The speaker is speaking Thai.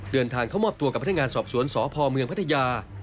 เดินทางเข้ามอบตัวกับพนักงานสอบสวนสพเมืองพัทยา